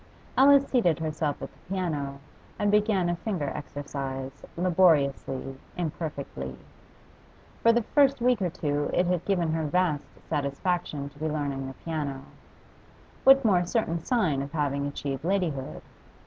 Alice seated herself at the piano, and began a finger exercise, laboriously, imperfectly. For the first week or two it had given her vast satisfaction to be learning the piano; what more certain sign of having achieved ladyhood?